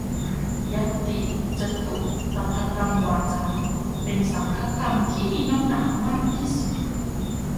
ญัตติจตุตถกรรมวาจา เป็นสังฆกรรมที่มีน้ำหนักมากที่สุด